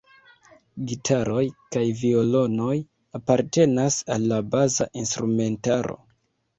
Gitaroj kaj violonoj apartenas al la baza instrumentaro.